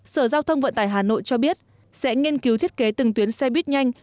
sở giao thông vận tải hà nội cho biết sẽ nghiên cứu thiết kế từng tuyến xe buýt nhanh